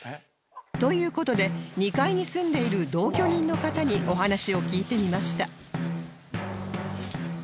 という事で２階に住んでいる同居人の方にお話を聞いてみました